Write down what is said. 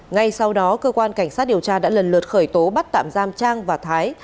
ngay sau đó cơ quan cảnh sát điều tra đã lần lượt khởi tố bắt tạm giam trang và thái